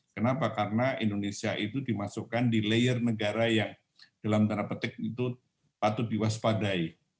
kenapa karena indonesia itu dimasukkan di layer negara yang dalam tanda petik itu patut diwaspadai